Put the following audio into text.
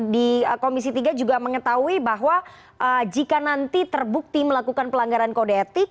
di komisi tiga juga mengetahui bahwa jika nanti terbukti melakukan pelanggaran kode etik